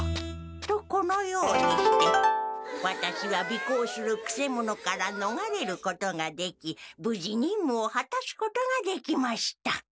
とこのようにしてワタシはびこうするくせ者からのがれることができぶじにんむをはたすことができました。